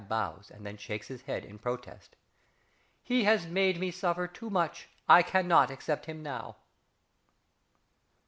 ~ bows, and then shakes his head in protest_), he has made me suffer too much, I cannot accept him now!"